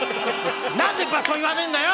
なんで場所言わねえんだよ！